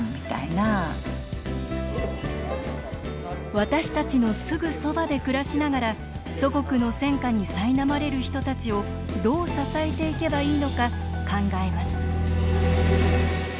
私たちのすぐそばで暮らしながら祖国の戦禍にさいなまれる人たちをどう支えていけばいいのか考えます